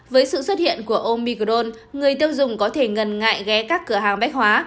với sự xuất hiện của omicron người tiêu dùng có thể ngần ngại ghé các cửa hàng bách hóa